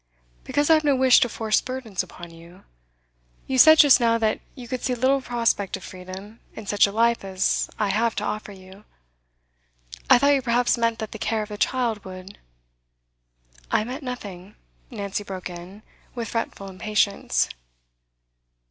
'Because I have no wish to force burdens upon you. You said just now that you could see little prospect of freedom in such a life as I have to offer you. I thought you perhaps meant that the care of the child would ' 'I meant nothing,' Nancy broke in, with fretful impatience.